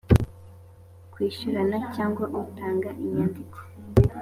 kwishyurana cyangwa utanga inyandiko